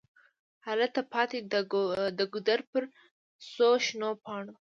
هلته پاتي د ګودر پر څوشنو پاڼو